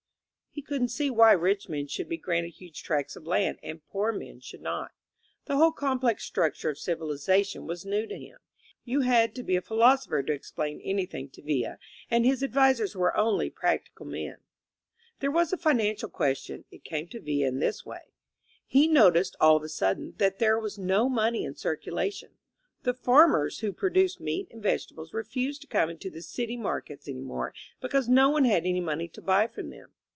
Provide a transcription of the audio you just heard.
He couldn't see why rich men should be granted huge tracts of land and poor men should not. The whole complex struc ture of civilization was new to him. You had to be a philosopher to explain anything to Villa; and his ad visers were only practical men. There was the financial question. It came to Villa in this way. He noticed, all of a sudden, that there was no money in circulation. The farmers who produced meat and vegetables refused to come into the city mar kets any more because no one had any money to buy from them.